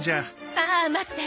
ああ待って。